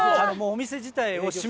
お店自体？